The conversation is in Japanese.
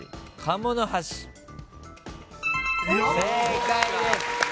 正解です。